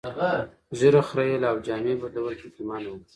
ږیره خرییل او جامې بدلول پکې منع وو.